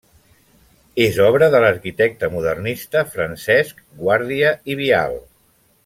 És obra de l'arquitecte modernista Francesc Guàrdia i Vial.